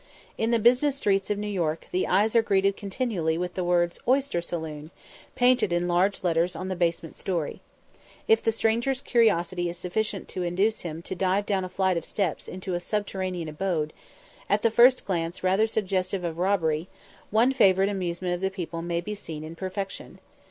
In the business streets of New York the eyes are greeted continually with the words "Oyster Saloon," painted in large letters on the basement story. If the stranger's curiosity is sufficient to induce him to dive down a flight of steps into a subterranean abode, at the first glance rather suggestive of robbery, one favourite amusement of the people may be seen in perfection.